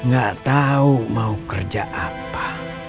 gak tahu mau kerja apa